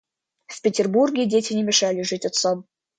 В Петербурге дети не мешали жить отцам.